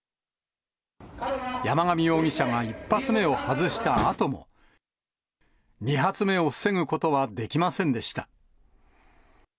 山上容疑者が１発目を外したあとも、２発目を防ぐことはできませんでした。